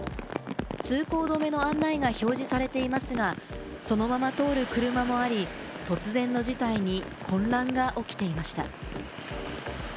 通行止めの案内が表示されていますが、そのまま通る車もあり、突然の事態に混乱が起きていました。